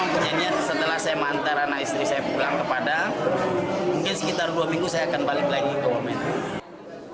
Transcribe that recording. mungkin sekitar dua minggu saya akan balik lagi ke womena